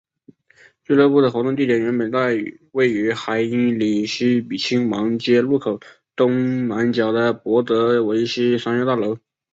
俱乐部的活动地点原本在位于海因里希亲王街路口东南角的博德维希商业大楼。